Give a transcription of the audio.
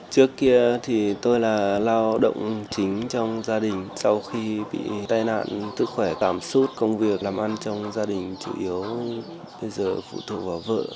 trước kia thì tôi là lao động chính trong gia đình sau khi bị tai nạn sức khỏe cảm xúc công việc làm ăn trong gia đình chủ yếu bây giờ phụ thuộc vào vợ